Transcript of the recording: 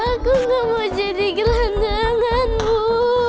aku nggak mau jadi gelandanganmu